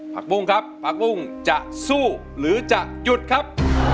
ปุ้งครับผักบุ้งจะสู้หรือจะหยุดครับ